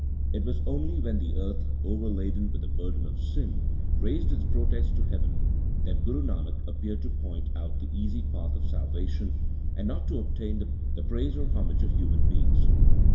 It was only when the earth, overladen with the burden of sin, raised its protest to heaven, that Guru Nanak appeared to point out the easy path of salvation, and not to obtain the praise or homage of human beings.